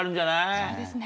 そうですね。